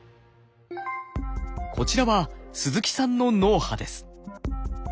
こちらは鈴木さんの脳波です。